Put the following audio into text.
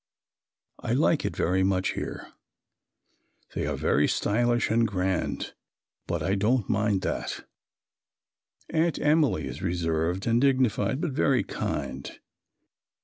I like it very much here. They are very stylish and grand but I don't mind that. Aunt Emily is reserved and dignified but very kind.